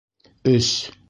Өс